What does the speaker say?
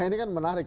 nah ini kan menarik